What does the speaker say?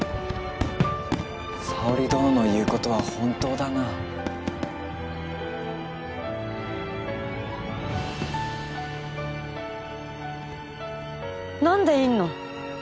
沙織殿の言うことは本当だな。何でいんの！？